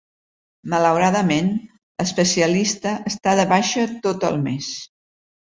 Malauradament, la especialista està de baixa tot el mes.